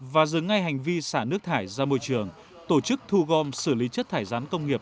và dừng ngay hành vi xả nước thải ra môi trường tổ chức thu gom xử lý chất thải rán công nghiệp